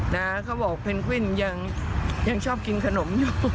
แต่เขาบอกเพนกวินยังชอบกินขนม